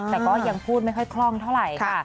แต่ก็ยังพูดไม่ค่อยคล่องเท่าไหร่ค่ะ